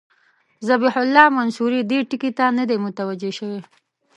ذبیح الله منصوري دې ټکي ته نه دی متوجه شوی.